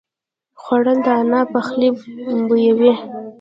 خوړل د انا پخلی بویوي